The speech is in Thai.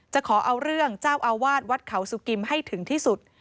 ขอเอาเรื่องเจ้าอาวาสวัดเขาสุกิมให้ถึงที่สุด